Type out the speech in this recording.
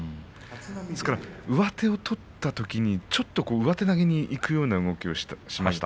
ですから上手を取ったときにちょっと上手投げにいくような動きをしました。